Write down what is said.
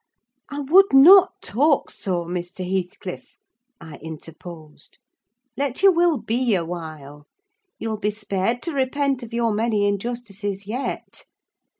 "I would not talk so, Mr. Heathcliff," I interposed. "Let your will be a while: you'll be spared to repent of your many injustices yet!